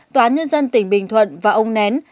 tòa nhân dân tỉnh bình thuận và ông nén